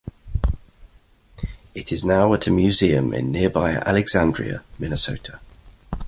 It is now at a museum in nearby Alexandria, Minnesota.